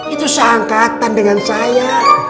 itu seangkatan dengan saya